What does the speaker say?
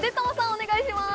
お願いします！